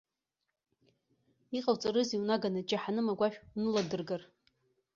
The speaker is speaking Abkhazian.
Иҟауҵарызеи унаганы џьаҳаным агәашә уныладыргар?